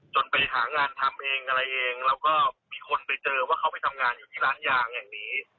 ไปหางานทำเองอะไรเองแล้วก็มีคนไปเจอว่าเขาไปทำงานอยู่ที่ร้านยางแห่งนี้